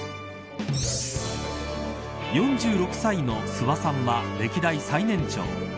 ４６歳の諏訪さんは歴代最年長。